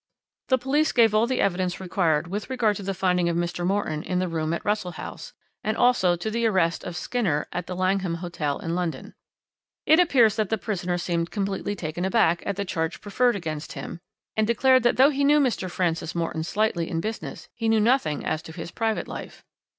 "The police gave all the evidence required with regard to the finding of Mr. Morton in the room at Russell House and also to the arrest of Skinner at the Langham Hotel in London. It appears that the prisoner seemed completely taken aback at the charge preferred against him, and declared that though he knew Mr. Francis Morton slightly in business he knew nothing as to his private life.